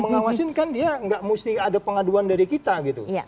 mengawasin kan dia nggak mesti ada pengaduan dari kita gitu